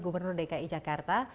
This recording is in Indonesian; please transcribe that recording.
gubernur dki jakarta